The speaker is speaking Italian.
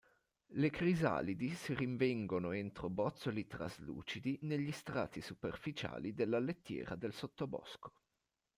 Le crisalidi si rinvengono entro bozzoli traslucidi negli strati superficiali della lettiera del sottobosco.